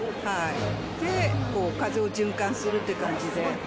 で、風を循環するという感じで。